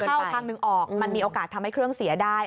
เข้าทางหนึ่งออกมันมีโอกาสทำให้เครื่องเสียได้